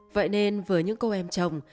vậy nên với những cô em chồng